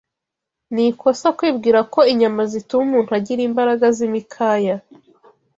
Ni ikosa kwibwira ko inyama zituma umuntu agira imbaraga z’imikaya